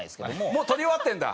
もう撮り終わってるんだ？